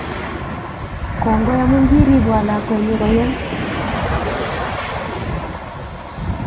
Kongoi amun keripwon lakwennyu komnyem